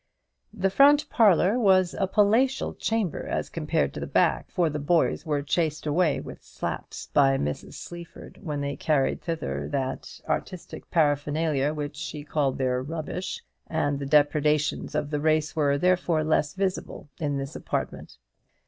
The front parlour was a palatial chamber as compared to the back; for the boys were chased away with slaps by Mrs. Sleaford when they carried thither that artistic paraphernalia which she called their "rubbish," and the depredations of the race were, therefore, less visible in this apartment.